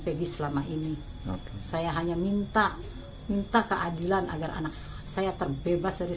pebis selama ini saya hanya minta minta keadilan agar anak saya terbebas dari